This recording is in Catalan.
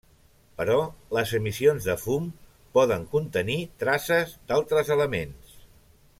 Però, les emissions de fum poden contenir traces d'altres elements.